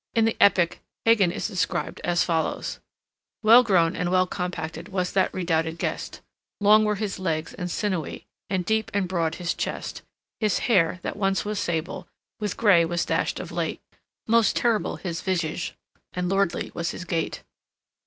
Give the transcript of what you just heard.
In the epic Hagan is described as follows: "Well grown and well compacted was that redoubted guest; Long were his legs and sinewy, and deep and broad his chest; His hair, that once was sable, with gray was dashed of late; Most terrible his visage, and lordly was his gait."